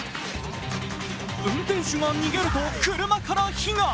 運転手が逃げると車が火が。